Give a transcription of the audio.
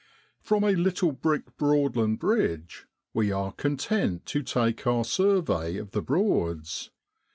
From a little brick Broadland bridge we are content to take our survey of the Broads.